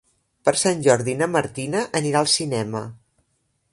Per Sant Jordi na Martina anirà al cinema.